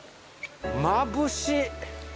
まぶしい！